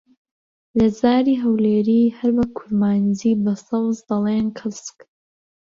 لە زاری هەولێری، هەروەک کورمانجی، بە سەوز دەڵێن کەسک.